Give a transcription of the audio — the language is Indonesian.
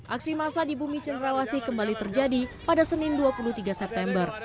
aksi masa di bumi cenrawasi kembali terjadi pada senin dua puluh tiga september